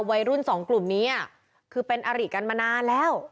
วัยรุ่นสองกลุ่มนี้คือเป็นอริกันมานานแล้ว